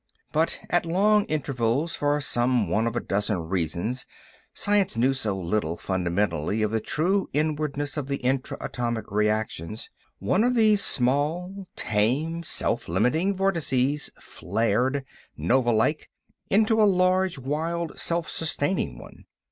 But at long intervals, for some one of a dozen reasons—science knew so little, fundamentally, of the true inwardness of the intra atomic reactions—one of these small, tame, self limiting vortices flared, nova like, into a large, wild, self sustaining one.